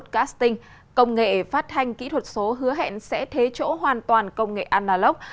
casting công nghệ phát thanh kỹ thuật số hứa hẹn sẽ thế chỗ hoàn toàn công nghệ analog